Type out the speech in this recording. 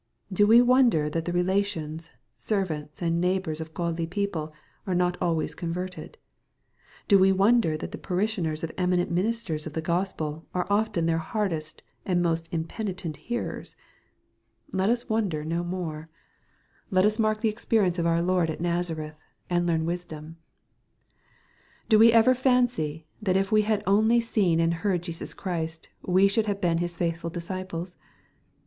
Do we wonder that the relations, servants, and neigh bors of godly people are not always converted ? Do we If onder that the parishioners of eminent ministers of the Gospel are often their hardest and most impenitent hearers ? Let us wonder no more. Let us maik MATTHEW, CHAP. XIII. 157 the experience of our Lord at Kazareth, and learn wisdom. Do we ever fancy that if we had only seen and heard Jesus Christ, we should have been His faithful disciples